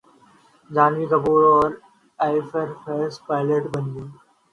جھانوی کپور اب air force pilot بنیں گی